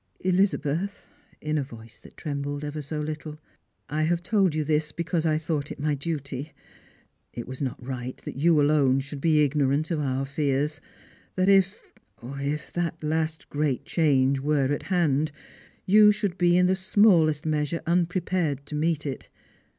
Elizabeth," in a voice that trembled ever so little, " I hav told you this because I thought it my dut3^ It was not right that you alone should be ignorant of our fears ; that if — if that last great change were at hand, you should be in the smallest m a Bure unprejiared to meet it.